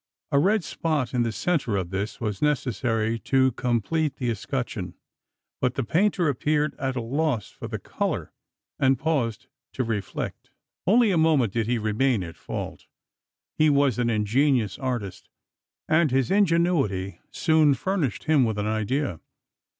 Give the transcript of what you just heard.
A red spot in the centre of this was necessary to complete the escutcheon; but the painter appeared at a loss for the colour, and paused to reflect. Only a moment did he remain at fault. He was an ingenious artist; and his ingenuity soon furnished him with an idea.